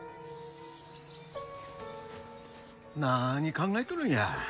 何考えとるんや。